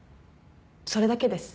それだけです。